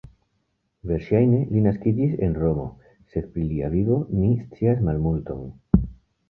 Verŝajne li naskiĝis en Romo, sed pri lia vivo ni scias malmulton.